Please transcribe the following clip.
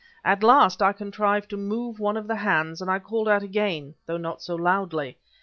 At last I contrived to move one of the hands, and I called out again, though not so loudly.